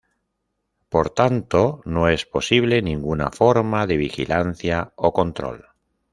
Por tanto no es posible ninguna forma de vigilancia o control.